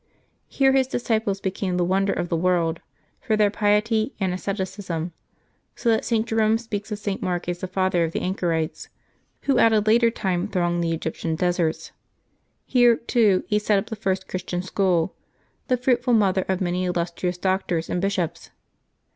Here his disciples be came the wonder of the world for their piety and asceti cism, so that St. Jerome speaks of St. Mark as the father of the anchorites, who at a later time thronged the Egyp tian deserts. Here, too, he set up the first Christian school, the fruitful mother of many illustrious doctors and bishops.